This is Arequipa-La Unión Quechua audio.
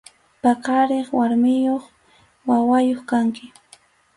Paqariq warmiyuq wawayuq kanki.